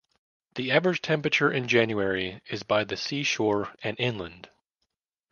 The average temperature in January is by the seashore and inland.